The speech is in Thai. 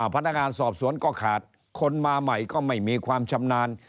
พนักงานสอบสวนก็ขาดคนมาใหม่ก็ไม่มีความชำนาญ